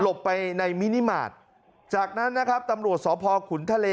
ไปในมินิมาตรจากนั้นนะครับตำรวจสพขุนทะเล